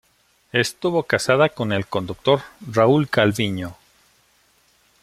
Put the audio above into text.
Estuvo casada con el conductor Raúl Calviño.